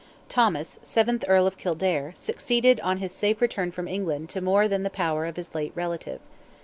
Thomas, seventh Earl of Kildare, succeeded on his safe return from England to more than the power of his late relative.